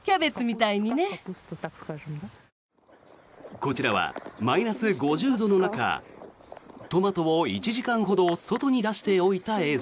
こちらはマイナス５０度の中トマトを１時間ほど外に出しておいた映像。